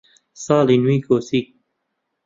ساڵی نوێی کۆچی